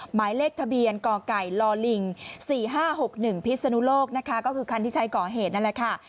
หมายเลขทะเบียนกไก่ลิง๔๕๖๑พิศนุโลกนะคะก็คือคันที่ใช้ก่อเหตุนั่นแหละค่ะ